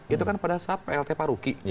itu kan pada saat plt pak ruki